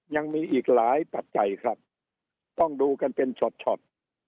ยังมีอีกหลายปัจจัยครับต้องดูกันเป็นช็อต